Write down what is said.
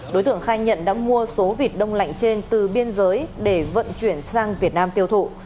đối tượng khai nhận đã mua số vịt đông lạnh trên từ biên giới để vận chuyển sang việt nam tiêu thụ